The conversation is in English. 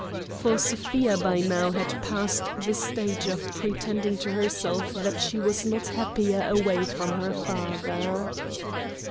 For Sofia by now had passed the stage of pretending to herself that she was not happier away from her father.